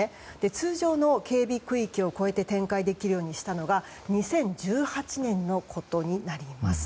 通常の警備区域を超えて展開できるようにしたのが２０１８年のことになります。